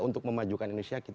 untuk memajukan indonesia